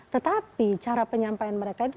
tetapi cara penyampaian mereka itu